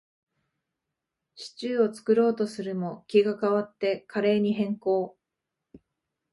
シチューを作ろうとするも、気が変わってカレーに変更